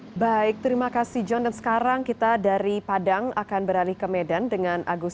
hai baik terima kasih john dan sekarang kita dari padang akan beralih ke medan dengan agus